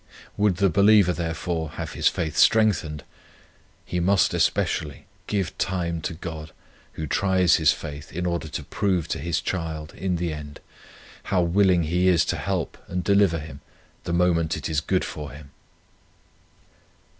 "Would the believer, therefore, have his faith strengthened, he must especially, give time to God, who tries his faith in order to prove to His child, in the end, how willing He is to help and deliver him, the moment it is good for him."